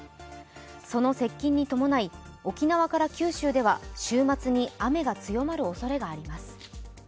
その接近に伴い沖縄から九州では週末に雨が強まるおそれがあります。